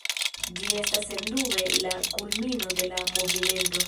Ĝi estas sendube la kulmino de la movimento.